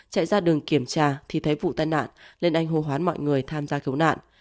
chạy ra đường kiểm tra thì thấy vụ tai nạn nên anh hô hoán mọi người tham gia cứu nạn